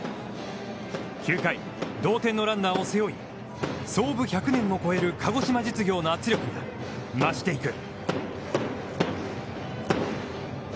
９回、同点のランナーを背負い、創部１００年を超える鹿児島実業の圧力が増していく。